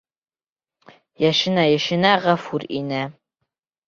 Йәшенә-йәшенә Ғәфүр инә.